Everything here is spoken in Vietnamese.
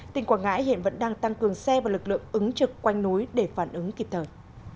tỉnh quảng ngãi hiện vẫn đang tăng cường xe và lực lượng ứng trực quanh núi để phản ứng kịp thời